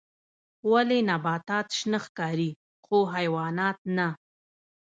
ولې نباتات شنه ښکاري خو حیوانات نه